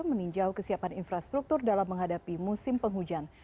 meninjau kesiapan infrastruktur dalam menghadapi musim penghujan